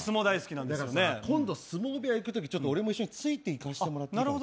だから今度、相撲部屋行くとき俺もついていかせてもらってもいいかな？